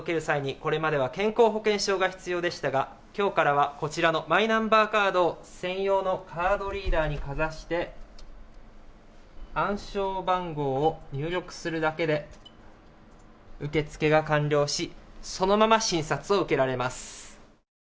これまでは健康保険証が必要でしたが、今日からはこちらのマイナンバーカード専用のカードリーダーにかざして、暗証番号を入力するだけで、受付が完了し、そのまま診察を受けられます。